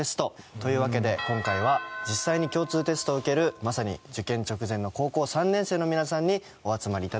というわけで今回は実際に共通テストを受けるまさに受験直前の高校３年生の皆さんにお集まり頂きました。